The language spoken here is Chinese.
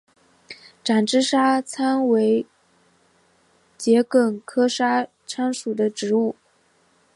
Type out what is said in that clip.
展枝沙参为桔梗科沙参属的植物。